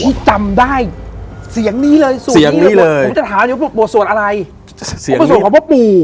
ที่จำได้เสียงนี้เลยผมจะถามสวดอะไรเห็นสวดพ่อปู